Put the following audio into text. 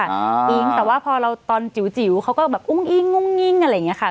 อิ๊งแต่ว่าพอเราตอนจิ๋วเขาก็แบบอุ้งอิงงุ่งงิ่งอะไรอย่างนี้ค่ะ